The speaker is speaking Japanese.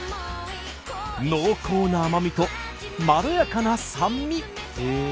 濃厚な甘みとまろやかな酸味。